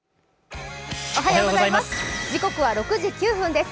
時刻は６時９分です。